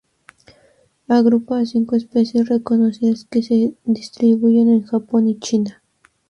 Agrupa a cinco especies reconocidas que se distribuyen en Japón y China.